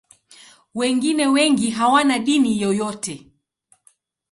Wengine wengi hawana dini yoyote.